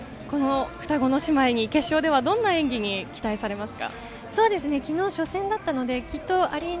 双子の姉妹に決勝ではどんな演技を期待されますか？